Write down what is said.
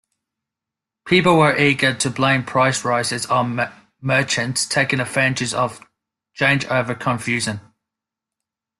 People were eager to blame price rises on merchants taking advantage of changeover confusion.